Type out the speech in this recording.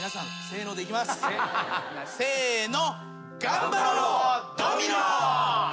せーの。